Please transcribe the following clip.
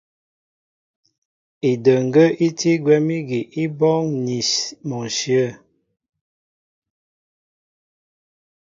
Idəŋgə́ í tí gwɛ̌m ígi í bɔ́ɔ́ŋ ni mɔ ǹshyə̂.